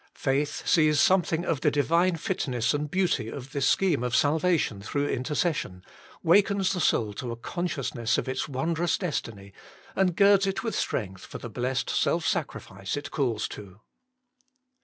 Faith sees some thing of the Divine fitness and beauty of this scheme of salvation through intercession, wakens the soul to a consciousness of its wondrous destiny, and girds it with strength for the blessed self sacrifice it calls to.